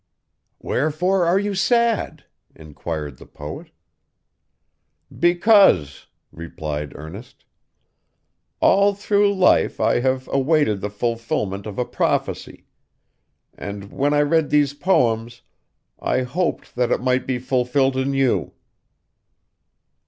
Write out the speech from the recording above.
'Wherefore are you sad?' inquired the poet. 'Because,' replied Ernest, 'all through life I have awaited the fulfilment of a prophecy; and, when I read these poems, I hoped that it might be fulfilled in you.